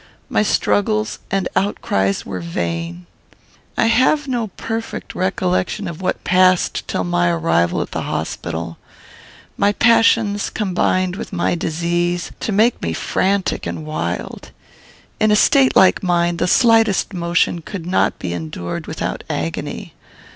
My struggles and outcries were vain. "I have no perfect recollection of what passed till my arrival at the hospital. My passions combined with my disease to make me frantic and wild. In a state like mine, the slightest motion could not be endured without agony.